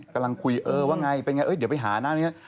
กำลังคุยว่าอย่างไรเป็นอย่างไรเดี๋ยวไปหานั้น